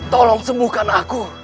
tolong sembuhkan aku